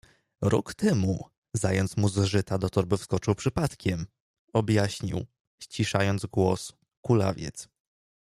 Rok temu zając mu z żyta do torby wskoczył przypadkiem — objaśnił, ściszając głos, kulawiec.